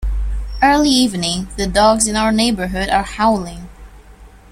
Every evening, the dogs in our neighbourhood are howling.